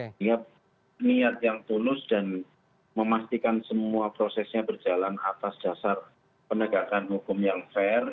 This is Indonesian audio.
sehingga niat yang tulus dan memastikan semua prosesnya berjalan atas dasar penegakan hukum yang fair